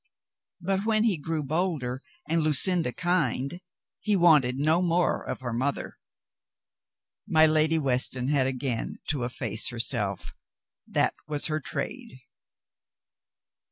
But when he grew bolder and Lu cinda kind, he wanted no more of her mother. My Lady Weston had again to efface herself. That was her trade.